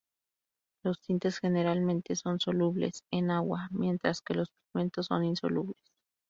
Los tintes generalmente son solubles en agua, mientras que los pigmentos son insolubles.